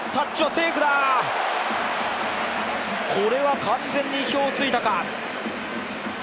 これは完全に意表を突いたか。